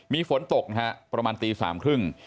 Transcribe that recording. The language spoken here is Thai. มีฝนตกนะฮะประมาณตีสามครึ่ง